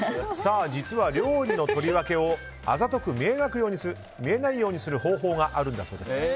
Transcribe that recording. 実は料理の取り分けをあざとく見えないようにする方法があるんだそうです。